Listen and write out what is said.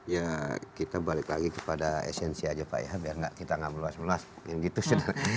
ya kita balik lagi kepada esensi aja pak ya biar kita tidak meluas luas